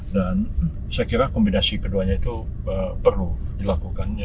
dan saya kira kombinasi keduanya itu perlu dilakukannya